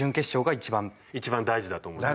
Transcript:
一番大事だと思います。